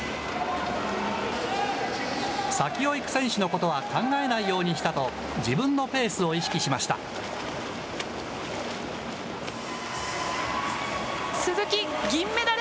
先を行く選手のことは考えないようにしたと、自分のペースを意識鈴木、銀メダル！